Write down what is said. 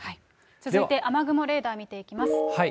続いて雨雲レーダー見ていきます。